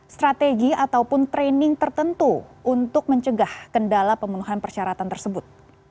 strategi ataupun training tertentu untuk mencegah kendala pemenuhan persyaratan tersebut